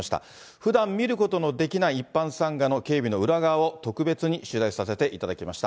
ふだん見ることのできない一般参賀の警備の裏側を、特別に取材させていただきました。